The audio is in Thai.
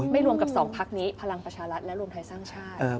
รวมกับ๒พักนี้พลังประชารัฐและรวมไทยสร้างชาติ